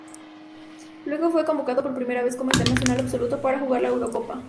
Luego, fue convocado por primera vez como internacional absoluto para jugar la Eurocopa.